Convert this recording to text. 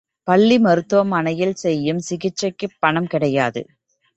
பள்ளி மருத்துவமனையில் செய்யும் சிகிச்சைக்குப் பணம் கிடையாது.